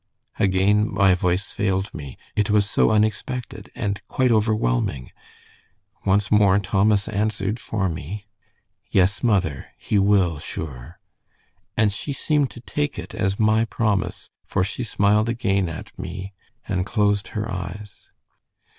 "Again my voice failed me. It was so unexpected, and quite overwhelming. Once more Thomas answered for me. "'Yes, mother, he will, sure,' and she seemed to take it as my promise, for she smiled again at me, and closed her eyes.